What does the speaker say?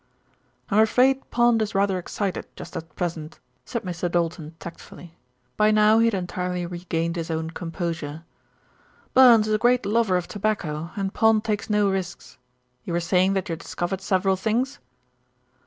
"I'm afraid Pond is rather excited just at present," said Mr. Doulton tactfully. By now he had entirely regained his own composure. "Burns is a great lover of tobacco, and Pond takes no risks. You were saying that you had discovered several things?"